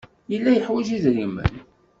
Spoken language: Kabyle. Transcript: Yella yeḥwaj idrimen.